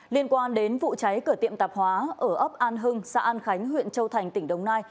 liên quan đến vụ cháy cửa tiệm tạp hóa ở ấp an hưng xã an khánh huyện châu thành tỉnh đồng nai